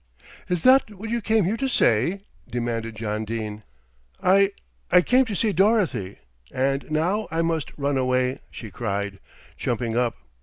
"Is that what you came here to say?" demanded John Dene. "I I came to see Dorothy, and now I must run away," she cried, jumping up.